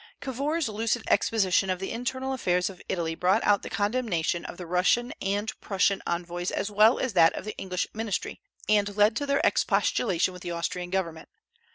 Cavour's lucid exposition of the internal affairs of Italy brought out the condemnation of the Russian and Prussian envoys as well as that of the English ministry, and led to their expostulation with the Austrian government.